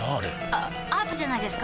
あアートじゃないですか？